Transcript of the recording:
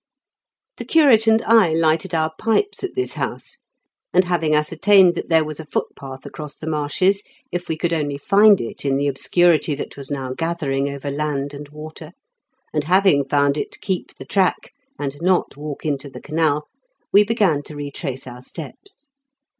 The curate and I lighted our pipes at this house, and, having ascertained that there was a footpath across the marshes, if we could only find it in the obscurity that was now gathering over land and water, and, having found it, keep the track, and not walk into the canal, we began to retrace our steps.